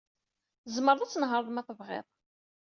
Tzemreḍ ad tnehṛeḍ ma tebɣiḍ.